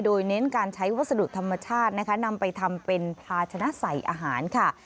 โดยเน้นการใช้วัสดุธรรมชาตินะคะนำไปทำเป็นภาชนะใส่อาหารค่ะ